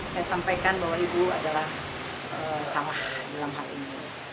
saya sampaikan bahwa ibu adalah salah dalam hal ini